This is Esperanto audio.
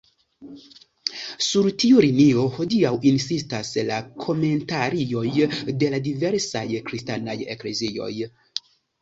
Sur tiu linio hodiaŭ insistas la komentarioj de la diversaj kristanaj eklezioj.